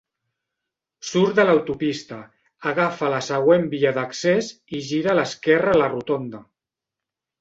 Surt de l'autopista, agafa la següent via d'accés i gira a l'esquerra a la rotonda